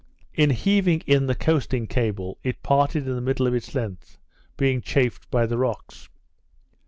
In heaving in the coasting cable, it parted in the middle of its length, being chafed by the rocks.